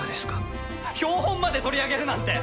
標本まで取り上げるなんて！